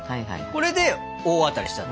これで大当たりしたんだ。